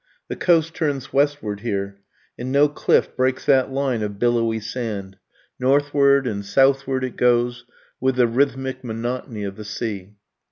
The coast turns westward here, and no cliff breaks that line of billowy sand; northward and southward it goes, with the rhythmic monotony of the sea.